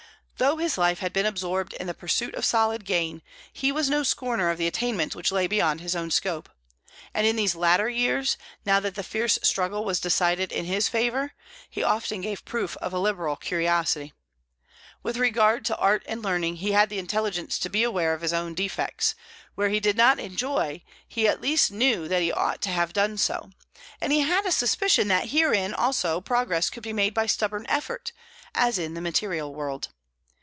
Though his life had been absorbed in the pursuit of solid gain, he was no scorner of the attainments which lay beyond his own scope, and in these latter years, now that the fierce struggle was decided in his favour, he often gave proof of a liberal curiosity. With regard to art and learning, he had the intelligence to be aware of his own defects; where he did not enjoy, he at least knew that he ought to have done so, and he had a suspicion that herein also progress could be made by stubborn effort, as in the material world.